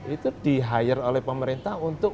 itu di hire oleh pemerintah untuk